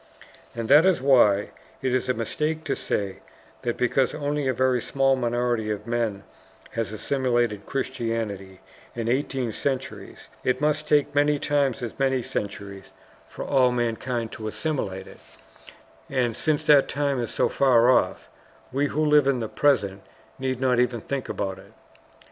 And that is why it is a mistake to say that because only a very small minority of men has assimilated Christianity in eighteen centuries, it must take many times as many centuries for all mankind to assimilate it, and that since that time is so far off we who live in the present need not even think about it.